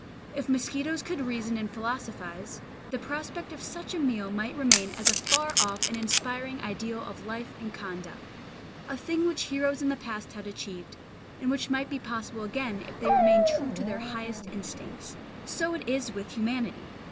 If mosquitoes could reason and philosophise, the prospect of such a meal might remain as a far off and inspiring ideal of life and conduct, a thing which heroes in the past had achieved, and which might be possible again if they remained true to their highest instincts. So it is with humanity.